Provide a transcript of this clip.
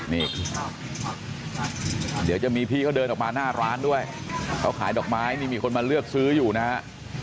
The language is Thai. นี่เดี๋ยวจะมีพี่เขาเดินออกมาหน้าร้านด้วยเขาขายดอกไม้นี่มีคนมาเลือกซื้ออยู่นะฮะ